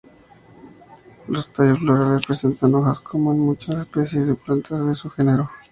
Los tallos florales presentan hojas como en muchas especies de plantas de su genero.